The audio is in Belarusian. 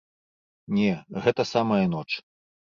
Не, гэта самая ноч.